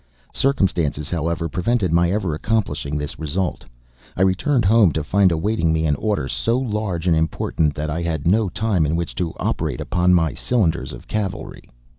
Circumstances, however, prevented my ever accomplishing this result. I returned home, to find awaiting me an order so large and important that I had no time in which to operate upon my cylinders of cavalry.